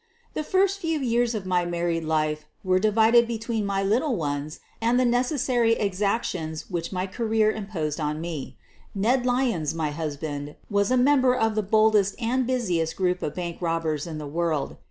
The first few years of my married life were di vided between my little ones and the necessary ex actions which my career imposed on me. Ned Ly ons, my husband, was a member of the boldest ana busiest group of bank robbers in the world.